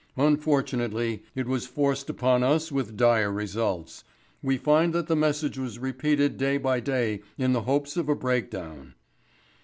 Unfortunately it was forced upon us with dire results. We find that the message was repeated day by day in the hopes of a breakdown.